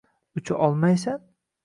Ucha olmaysan?